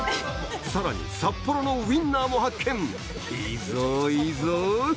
さらに札幌のウインナーも発見いいぞいいぞ